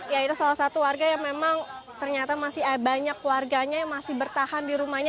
ya itu salah satu warga yang memang ternyata masih banyak warganya yang masih bertahan di rumahnya